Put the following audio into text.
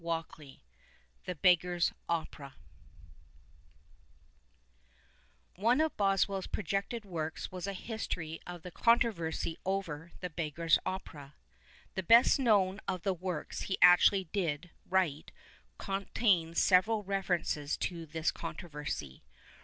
126 "THE BEGGAR'S OPERA" One of Boswells projected works was a history of the eontrovcTsy over The Beggar s Opera. The best known of the works he actually did write con tains several references to this controversy.